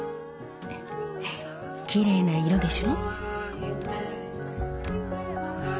きれいな色でしょ？